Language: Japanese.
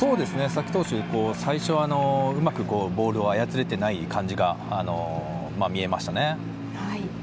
佐々木投手、最初はうまくボールを操れていない感じが見えましたね。